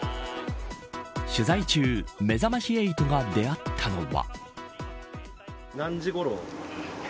取材中めざまし８が出会ったのは。